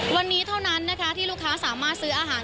วันนี้เท่านั้นนะคะที่ลูกค้าสามารถซื้ออาหาร